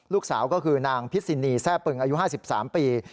ลูกสาวก็คือนางพิษินีแทร่ปึงอายุ๕๓ปี